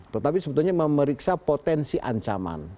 tetapi sebetulnya memeriksa potensi ancaman